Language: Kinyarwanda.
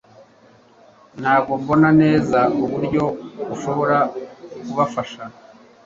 Ntabwo mbona neza uburyo ushobora kubufasha